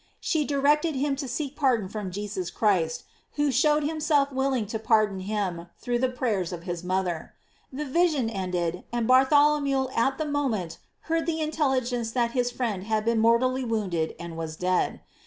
She directed him to seek pardon from Jesus Christ, who showed himself willing to par don him through the prayers of his mother. The vision ended, and Bartholomew at the mo ment heard the intelligence that his friend had been mortally wounded and was dead.